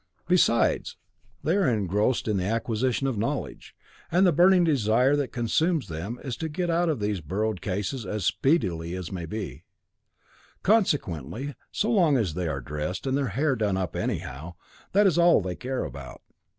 Besides, they are engrossed in the acquisition of knowledge, and the burning desire that consumes them is to get out of these borrowed cases as speedily as may be. Consequently, so long as they are dressed and their hair done up anyhow, that is all they care about.